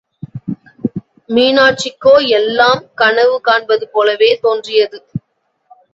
மீனாட்சிக்கோ எல்லாம் கனவு காண்பது போலவே தோன்றியது.